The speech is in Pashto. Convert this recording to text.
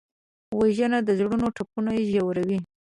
وژنه د زړونو ټپونه ژوروي